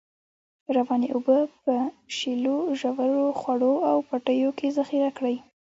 روانې اوبه په په شیلو، ژورو، خوړو او پټیو کې ذخیره کړی.